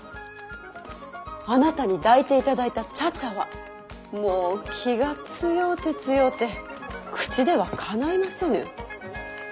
あなたに抱いていただいた茶々はもう気が強うて強うて口ではかないませぬ。